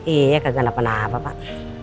iya kagak kenapa kenapa pak